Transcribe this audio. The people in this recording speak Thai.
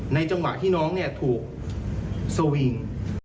จังหวะที่น้องถูกสวิง